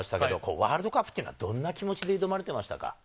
ワールドカップっていうのは、どんな気持ちで挑まれてました？